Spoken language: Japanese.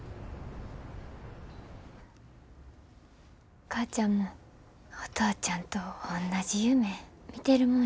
お母ちゃんもお父ちゃんとおんなじ夢みてるもんやと思ってた。